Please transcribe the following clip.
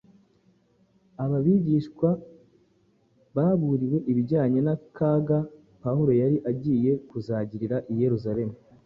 aba bigishwa baburiwe ibijyanye n’akaga Pawulo yari agiye kuzagirira i Yerusalemu,